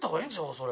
それ。